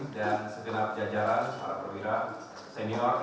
dan segenap jajaran para perwira senior